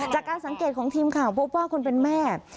จากการสังเกตของทีมข่าวพบว่าคนเป็นแม่